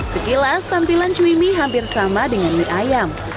sekilas tampilan cui mie hampir sama dengan mie ayam